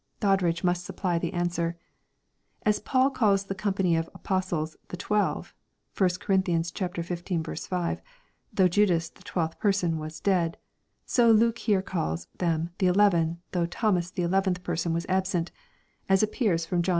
Doddridge must supply the answer ;—" As Paul calls the company of apostles 1h» twelve^ (1 Cor. xv. 5,) though Judas the twelfth person was dead ; so Luke here calls them ihe eleven, though Thomas the eleventh person was absent, as appears from John xx.